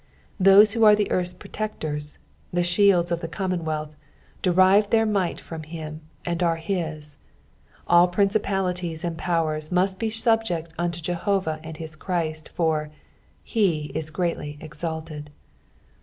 Those who are earth's protectors, the shields at the commonwealth, derive their might from him, and are his. All principalitieB and powers must be subject unto Jehovah and bis Christ, for " Se it greatly eaalttd."